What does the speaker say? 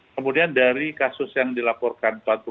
kemudian dari kasus yang dilaporkan